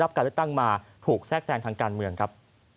การเลือกตั้งมาถูกแทรกแทรงทางการเมืองครับ